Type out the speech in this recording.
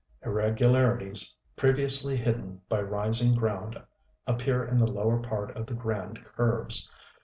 Irregularities previously hidden by rising ground appear in the lower part of the grand curves.